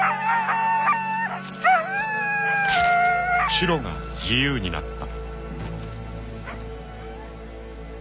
［シロが自由になった］